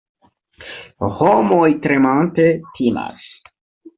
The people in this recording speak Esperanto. Homoj tremante timas.